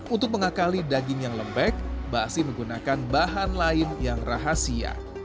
untuk mengakali daging yang lembek basi menggunakan bahan lain yang rahasia